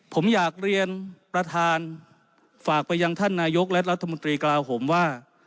ผมอยากเรียนประธานฝากไปยังท่านนายกและรัฐมนตรีกลาโหมว่า